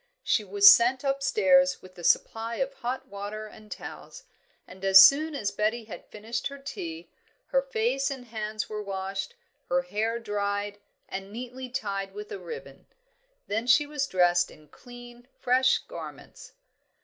She was sent upstairs with a supply of hot water and towels, and as soon as Betty had finished her tea, her face and hands were washed, her hair dried and neatly tied with a ribbon. Then she was dressed in clean, fresh garments.